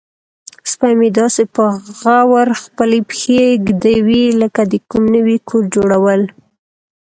سپی مې داسې په غور خپلې پښې ږدوي لکه د کوم نوي کور جوړول.